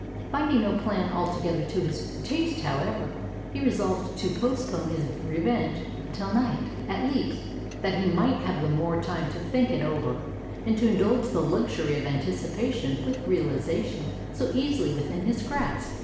Finding no plan altogether to his taste, however, he resolved to postpone his revenge till night, at least, that he might have the more time to think it over, and to indulge the luxury of anticipation with realization so easily within his grasp.